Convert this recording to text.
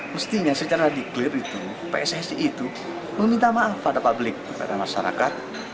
mestinya secara dikliar itu pssi itu meminta maaf pada publik pada masyarakat